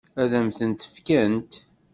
Ad m-tent-fkent?